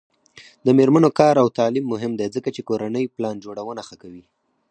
د میرمنو کار او تعلیم مهم دی ځکه چې کورنۍ پلان جوړونه ښه کوي.